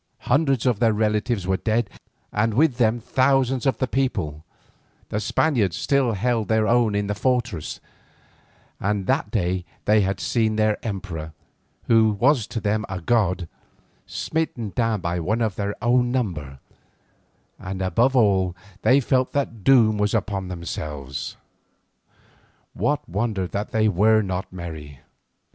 Hundreds of their relatives were dead and with them thousands of the people; the Spaniards still held their own in the fortress, and that day they had seen their emperor, who to them was a god, smitten down by one of their own number, and above all they felt that doom was upon themselves. What wonder that they were not merry?